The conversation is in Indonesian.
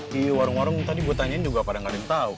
di warung warung tadi gue tanyain juga pada gak ada yang tau